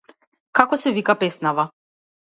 Како се вика песнава?